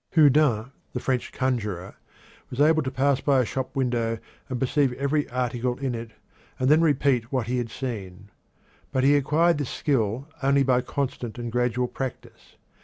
Houdin, the French conjurer, was able to pass by a shop window and perceive every article in it, and then repeat what he had seen. But he acquired this skill only by constant and gradual practice.